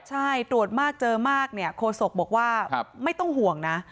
ใช่ตรวจมากเจอมากเนี่ยโคศกบอกว่าไม่ต้องห่วงนะ